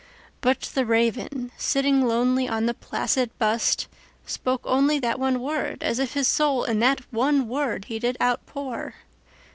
But the Raven, sitting lonely on the placid bust, spoke onlyThat one word, as if his soul in that one word he did outpour.